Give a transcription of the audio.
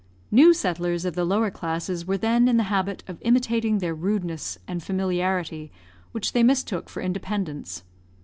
New settlers of the lower classes were then in the habit of imitating their rudeness and familiarity, which they mistook for independence.